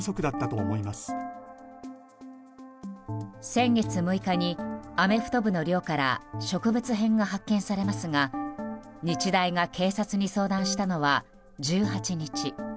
先月６日にアメフト部の寮から植物片が発見されますが、日大が警察に相談したのは１８日。